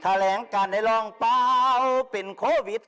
แถวแหงการได้ลองเป็นโควิด